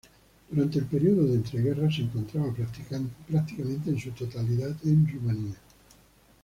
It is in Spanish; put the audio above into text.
Durante el periodo de entreguerras, se encontraba prácticamente en su totalidad en Rumania.